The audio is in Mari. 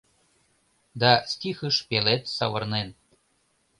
Да стихыш пелед савырнен.